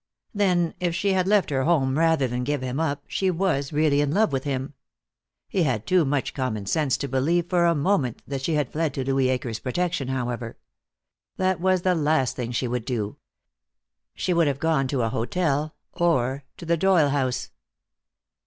Then, if she had left her home rather than give him up, she was really in love with him. He had too much common sense to believe for a moment that she had fled to Louis Akers' protection, however. That was the last thing she would do. She would have gone to a hotel, or to the Doyle house.